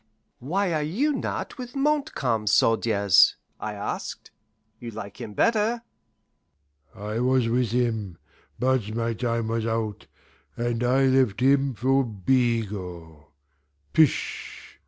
"Why are you not with Montcalm's soldiers?" I asked. "You like him better." "I was with him, but my time was out, and I left him for Bigot. Pish!